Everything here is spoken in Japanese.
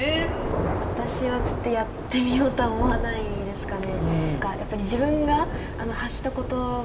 私はちょっとやってみようとは思わないですかね。